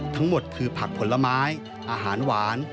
ทั้งหมดคือผักผลไม้อาหารหวาน